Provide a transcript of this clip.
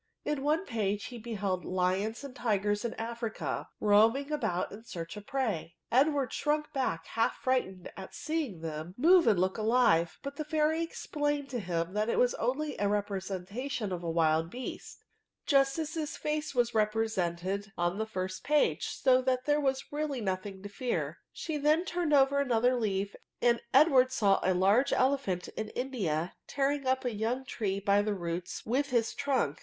In one page he beheld lions and tigers in Africa roaming about in search of prey. Edward shrunk back half frightened at seeing them move and look alive ; but the fairy expSid^d to him that it was only a representation of a wild beast, just as his fax^e was represented 104 INTER JECTIOK^ in the first page; so that there was really nothing to fear. She then turned over another leaf, and Edward saw a large elephant in India, tear^ ing Tip a young tree by the roots with his trunk.